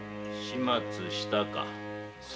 始末したか。